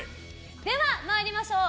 では、参りましょう。